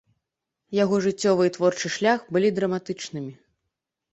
Яго жыццёвы і творчы шлях былі драматычнымі.